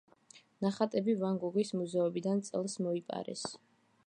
ნახატები ვან გოგის მუზეუმიდან წელს მოიპარეს.